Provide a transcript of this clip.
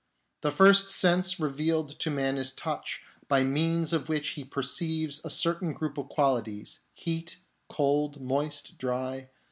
The first sense revealed to man is touch, by means of which he perceives a certain group of qualities — heat, cold, moist, dry.